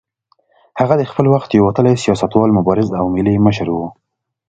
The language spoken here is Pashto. هغه د خپل وخت یو وتلی سیاستوال، مبارز او ملي مشر و.